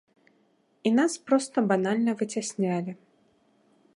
І нас проста банальна выцяснялі.